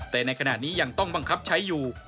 แต่ในขณะนี้ยังต้องบังคับใช้อยู่